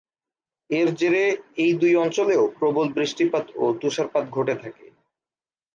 এর জেরে এই দুই অঞ্চলেও প্রবল বৃষ্টিপাত ও তুষারপাত ঘটে থাকে।